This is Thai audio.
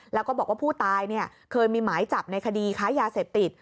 แล้วก็บอกว่าผู้ตายเคยมีหมายจับในคดีค้ายาเสพติด